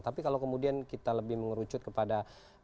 tapi kalau kemudian kita lebih mengerucut kepada